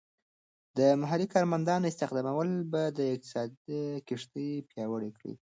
د محلی کارمندانو استخدامول به د اقتصاد کښتۍ پیاوړې کړي.